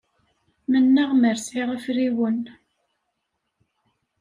Mennaɣ mer sɛiɣ afriwen!